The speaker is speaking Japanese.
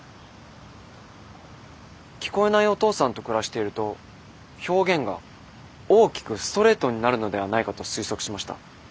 聞こえないお父さんと暮らしていると表現が大きくストレートになるのではないかと推測しました。